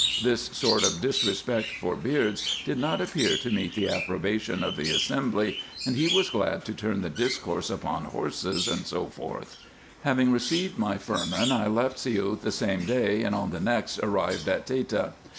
This sort of disrespect for beards did not appear to meet the approbation of the assembly, and he was glad to turn the discourse upon horses, &c. Having received my firman, I left Siout the same day, and on the next arrived at Tacta.